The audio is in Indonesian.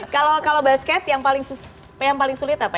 kalau basket yang paling sulit apa